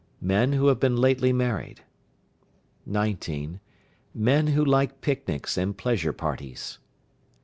Men who have been lately married. 19. Men who like picnics and pleasure parties.